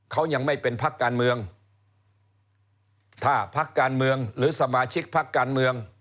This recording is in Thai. เขายังไม่เป็นพักการเมืองถ้าพักการเมืองหรือสมาชิกพักการเมือง